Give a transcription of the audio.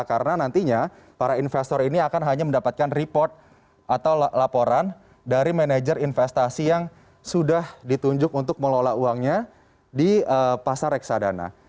karena nantinya para investor ini akan hanya mendapatkan report atau laporan dari manajer investasi yang sudah ditunjuk untuk melola uangnya di pasar reksadana